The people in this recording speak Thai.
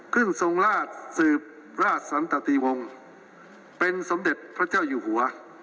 ทรงราชสืบราชสันตติวงศ์เป็นสมเด็จพระเจ้าอยู่หัว